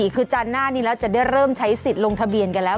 คือจันทร์หน้านี้แล้วจะได้เริ่มใช้สิทธิ์ลงทะเบียนกันแล้ว